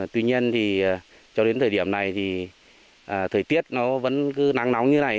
tuy nhiên thì cho đến thời điểm này thì thời tiết nó vẫn cứ nắng nóng như này